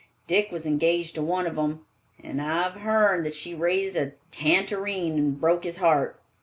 Dick was engaged to one of 'em, and I've hearn that she raised a tantareen and broke his heart.